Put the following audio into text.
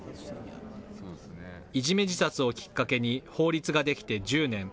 いじめ自殺をきっかけに、法律が出来て１０年。